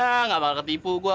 ya nggak bakal ketipu gua